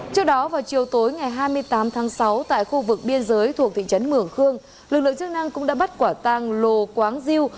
trước đó vào chiều tối ngày hai mươi tám tháng sáu tại khu vực biên giới thuộc thị trấn mường khương lực lượng chức năng cũng đã bắt quả tàng lồ quáng diêu